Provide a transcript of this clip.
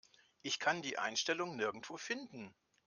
Ich kann die Einstellung nirgendwo finden.